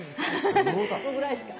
そのぐらいしか。